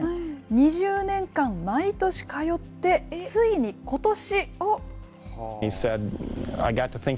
２０年間毎年通って、ついにことし。